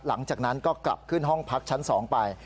หลังจากนั้นก็กลับขึ้นห้องพักชั้น๒ไป